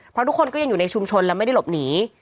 เพราะทุกคนก็ยังอยู่ในชุมชนและไม่ได้หลบหนี